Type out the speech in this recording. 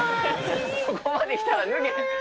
そこまできたら脱げ！